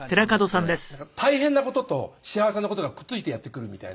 大変な事と幸せな事がくっ付いてやってくるみたいな。